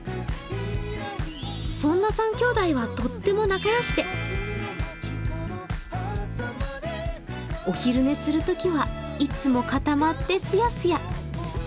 そんな３兄弟はとっても仲良しでお昼寝するときは、いつも固まってスヤスヤ。